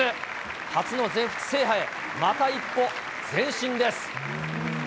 初の全仏制覇へ、また一歩、前進です。